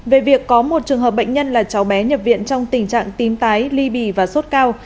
về việc có một trường hợp bệnh nhân là cháu bé nhập viện trong tình trạng tím tái ly bì và sốt cao